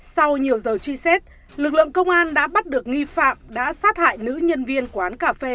sau nhiều giờ truy xét lực lượng công an đã bắt được nghi phạm đã sát hại nữ nhân viên quán cà phê